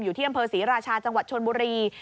อยู่ที่อำเภอศรีราชาจังหวัดชนบุรี